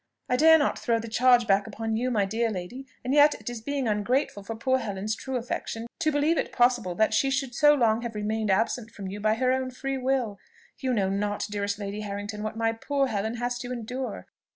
"I dare not throw the charge back upon you, my dear lady; and yet it is being ungrateful for poor Helen's true affection to believe it possible that she should so long have remained absent from you by her own free will. You know not, dearest Lady Harrington, what my poor Helen has to endure."